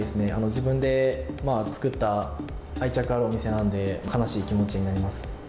自分で作った愛着のあるお店なんで、悲しい気持ちになります。